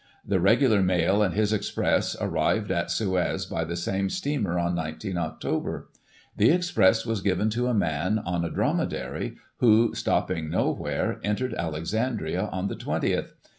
The regular Mail and his Express arrived at Suez by the same steamer on 19 Oct. The Express was given to a man on a dromedary, who, stopping nowhere, entered Alexandria on the 20th.